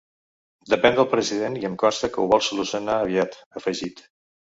Depèn del president i em consta que ho vol solucionar aviat, ha afegit.